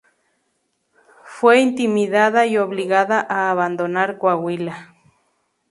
Fue intimidada y obligada a abandonar Coahuila.